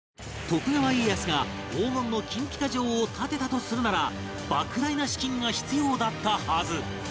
徳川家康が黄金の金ピカ城を建てたとするなら莫大な資金が必要だったはず